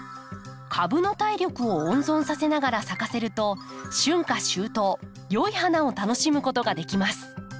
株の体力を温存させながら咲かせると春夏秋冬良い花を楽しむことができます。